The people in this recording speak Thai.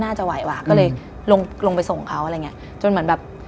อาจอย่างนั้นก็ได้